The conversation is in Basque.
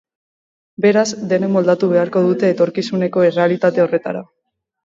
Beraz, denek moldatu beharko dute etorkizuneko errealitate horretara.